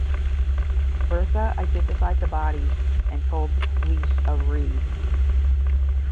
Bertha identified the body and told the police of Read.